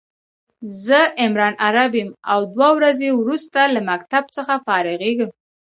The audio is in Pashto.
زه عمران عرب يم او دوه ورځي وروسته له مکتب څخه فارغيږم